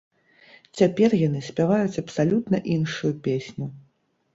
Цяпер яны спяваюць абсалютна іншую песню.